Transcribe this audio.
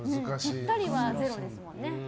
ぴったりはゼロですもんね。